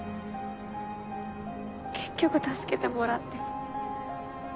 結局助けてもらって。